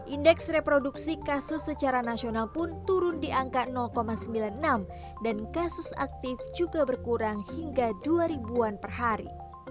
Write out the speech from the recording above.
indeks reproduksi kasus secara nasional pun turun di angka sembilan puluh enam dan kasus aktif juga berkurang hingga dua ribu an per hari